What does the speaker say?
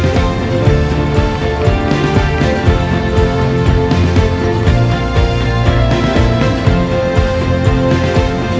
สวัสดีค่ะ